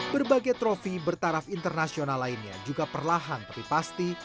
berbagai trofi bertaraf internasional lainnya juga perlahan tapi pasti